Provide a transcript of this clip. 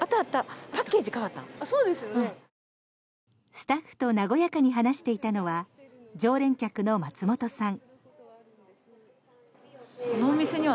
スタッフと和やかに話していたのは常連客の松本さん。